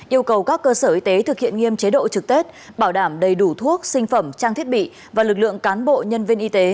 yêu cầu các cơ sở y tế thực hiện nghiêm chế độ trực tết bảo đảm đầy đủ thuốc sinh phẩm trang thiết bị và lực lượng cán bộ nhân viên y tế